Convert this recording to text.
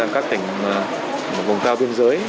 các tỉnh vùng cao biên giới